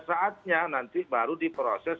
saatnya nanti baru diproses